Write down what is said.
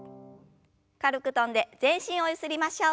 軽く跳んで全身をゆすりましょう。